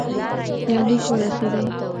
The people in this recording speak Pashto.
یو لیک ورسېدی.